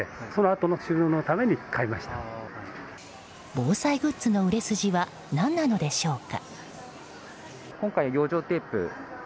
防災グッズの売れ筋は何なのでしょうか？